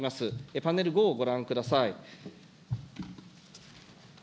パネル５をご覧ください。